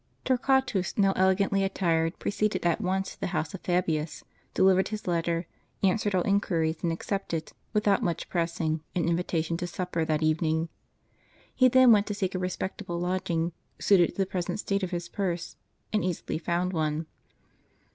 [COKQUATIJS, now elegantly attired, pro ceeded at once to the house of Fabius, delivered his letter, answered all inquir ies, and accepted, without much press ing, an invitation to supper that evening. He then went to seek a respectable lodging, suited to the present state of his purse ; and easily found one.